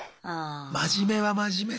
真面目は真面目で。